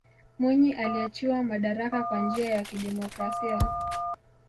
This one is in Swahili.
mwinyi aliachiwa madaraka kwa njia ya kidemokrasia